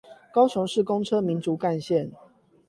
高雄市公車民族幹線